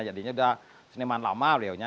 jadinya udah seniman lama leo nya